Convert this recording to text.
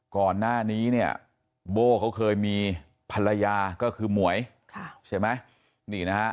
ก่อนหน้านี้เนี่ยโบ้เขาเคยมีภรรยาก็คือหมวยใช่ไหมนี่นะฮะ